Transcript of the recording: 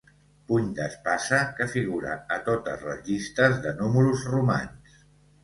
Puny d'espasa que figura a totes les llistes de números romans.